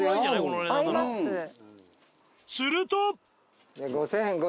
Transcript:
すると！